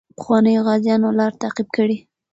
د پخوانیو غازیانو لار تعقیب کړئ.